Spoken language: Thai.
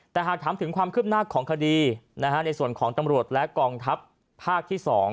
แต่หากถามถึงความคืบหน้าของคดีในส่วนของตำรวจและกองทัพภาคที่๒